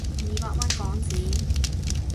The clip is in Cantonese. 二百蚊港紙